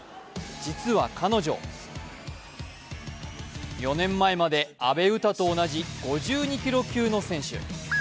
実は彼女、４年前まで阿部詩と同じ５２キロ級の選手。